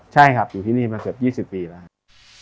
ใช่ครับอยู่ที่นี่มาเกือบ๒๐ปีแล้วครับ